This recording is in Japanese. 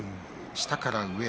下から上へ。